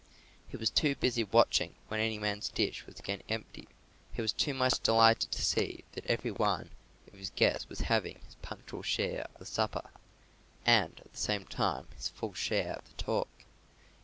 He was too busy watching when any man's dish was again empty. He was too much delighted to see that every one of his guests was having his punctual share of the supper, and at the same time his full share of the talk.